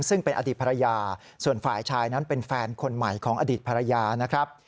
ซึ่งเป็นอดีตภรรยาส่วนฝ่ายชายนั้นเป็นแฟนคนใหม่ของอดีตภรรยานะครับ